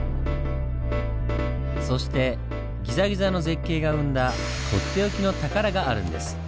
そしてギザギザの絶景が生んだとっておきの宝があるんです。